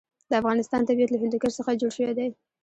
د افغانستان طبیعت له هندوکش څخه جوړ شوی دی.